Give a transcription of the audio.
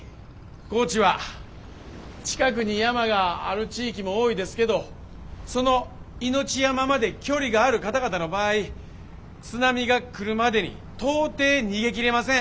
高知は近くに山がある地域も多いですけどそのいのち山まで距離がある方々の場合津波が来るまでに到底逃げきれません。